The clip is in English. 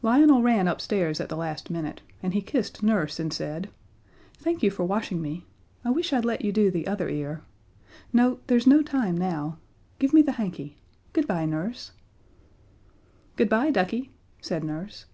Lionel ran upstairs at the last minute, and he kissed Nurse and said: "Thank you for washing me. I wish I'd let you do the other ear. No there's no time now. Give me the hanky. Good bye, Nurse." "Good bye, ducky," said Nurse.